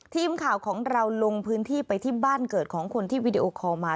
ทีมข่าวของเราลงพื้นที่ไปที่บ้านเกิดของคนที่วีดีโอคอลมา